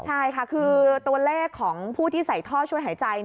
ใช่ค่ะคือตัวเลขของผู้ที่ใส่ท่อช่วยหายใจ